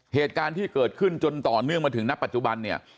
เหตุการณ์ที่เกิดขึ้นจนต่อเนื่องมาถึงณปัจจุบันเนี่ย